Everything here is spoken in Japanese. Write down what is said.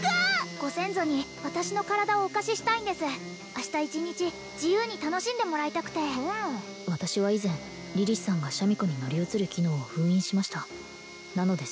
ご先祖に私の体をお貸ししたいんです明日一日自由に楽しんでもらいたくて私は以前リリスさんがシャミ子に乗り移る機能を封印しましたなので